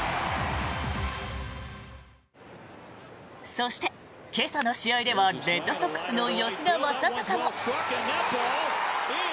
そして、今朝の試合ではレッドソックスの吉田正尚も。